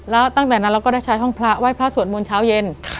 แล้วตั้งแต่นั้นเราก็ได้ใช้ห้องพระไหว้พระสวดมนต์เช้าเย็น